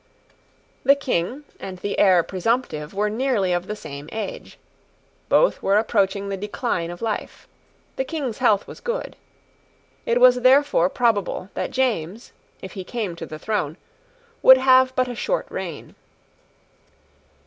The King and the heir presumptive were nearly of the same age. Both were approaching the decline of life. The King's health was good. It was therefore probable that James, if he came to the throne, would have but a short reign.